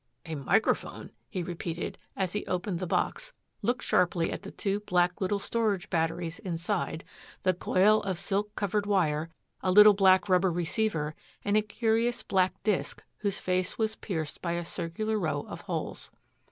"A microphone?" he repeated as he opened the box, looked sharply at the two black little storage batteries inside, the coil of silk covered wire, a little black rubber receiver and a curious black disc whose face was pierced by a circular row of holes.